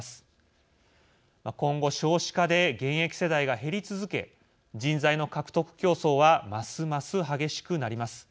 今後少子化で現役世代が減り続け人材の獲得競争はますます激しくなります。